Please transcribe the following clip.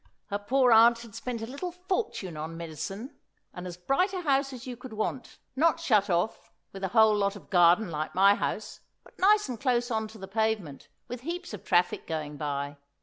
Her poor aunt had spent a little fortune on medicine; and as bright a house as you could want, not shut off with a whole lot of garden like my house, but nice and close on to the pavement, with heaps of traffic going by.